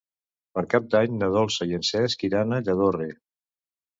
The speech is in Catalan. Per Cap d'Any na Dolça i en Cesc iran a Lladorre.